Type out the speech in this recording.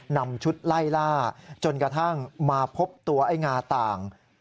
นำชุดไล่ล่าจนกระทั่งมาพบตัวไอ้งาต่าง